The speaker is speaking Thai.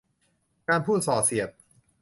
การพูดส่อเสียด